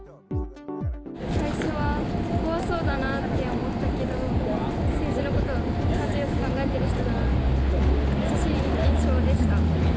最初は怖そうだなって思ったけど、政治のことをよく考えてる人だなって、優しい印象でした。